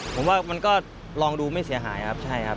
ผมว่ามันก็ลองดูไม่เสียหายครับใช่ครับ